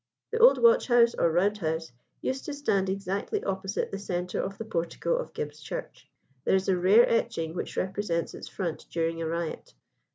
The old watch house or round house used to stand exactly opposite the centre of the portico of Gibbs's church. There is a rare etching which represents its front during a riot.